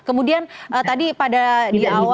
kemudian tadi pada di awal